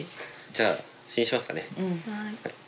じゃあ試飲しますかね。